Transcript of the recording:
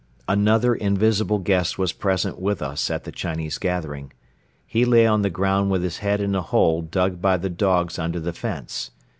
Another invisible guest was present with us at the Chinese gathering. He lay on the ground with his head in a hole dug by the dogs under the fence.